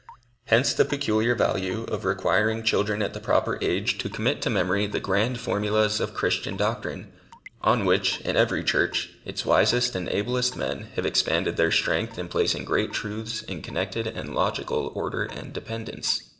Hence the peculiar value of requiring children at the proper age to commit to memory the grand formulas of Christian doctrine, on which, in every church, its wisest and ablest men have expended their strength in placing great truths in connected and logical order and dependence.